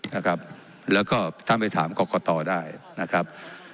นะครับแล้วก็ท่านไปถามกรกตได้นะครับ